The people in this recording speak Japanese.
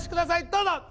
どうぞ！